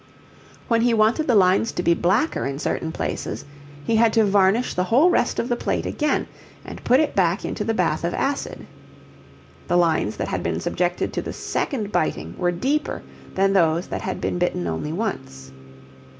When he wanted the lines to be blacker in certain places, he had to varnish the whole rest of the plate again, and put it back into the bath of acid. The lines that had been subjected to the second biting were deeper than those that had been bitten only once.